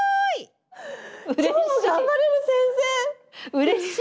うれしい！